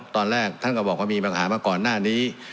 ตอนแรกท่านก็บอกว่ามีปัญหามาก่อนหน้านี้